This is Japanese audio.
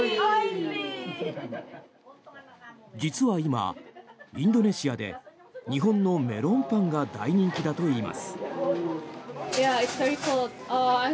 実は今、インドネシアで日本のメロンパンが大人気だといいます。